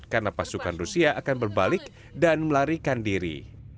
karena pasukan rusia akan berbalik dan melarikan diri